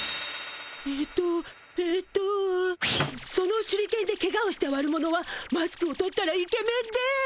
えとえとその手裏剣でケガをした悪者はマスクを取ったらイケメンで。